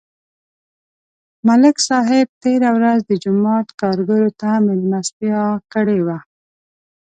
ملک صاحب تېره ورځ د جومات کارګرو ته مېلمستیا کړې وه